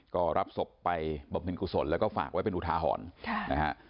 ก็รับศพไปบำพินกุศลแล้วก็ฝากไว้เป็นอุทาหอนนะครับ